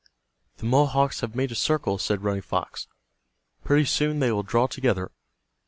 "The Mohawks have made a circle," said Running Fox. "Pretty soon they will draw together.